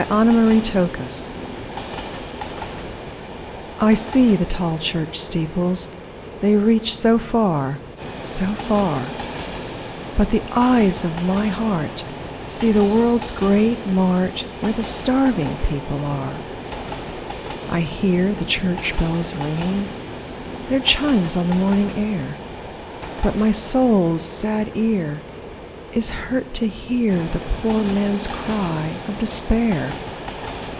CONTRASTS I see the tall church steeples— They reach so far, so far; But the eyes of my heart see the world's great mart Where the starving people are. I hear the church bells ringing Their chimes on the morning air; But my soul's sad ear is hurt to hear The poor man's cry of despair.